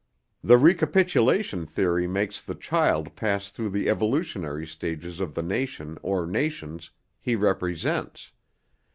The recapitulation theory makes the child pass through the evolutionary stages of the nation or nations he represents.